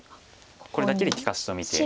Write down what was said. これだけで利かしと見て。